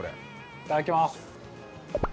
いただきます。